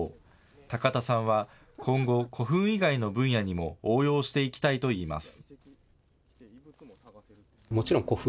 高田さんは今後、古墳以外の分野にも応用していきたいといいます。